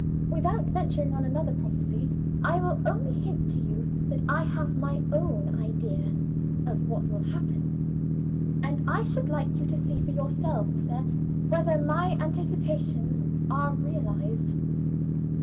Without venturing on another prophecy, I will only hint to you that I have my own idea of what will happen; and I should like you to see for yourself, sir, whether my anticipations are realized.